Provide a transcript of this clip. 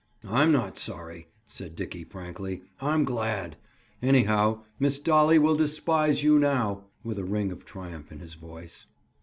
"I'm not sorry," said Dickie frankly. "I'm glad. Anyhow, Miss Dolly will despise you now." With a ring of triumph in his voice.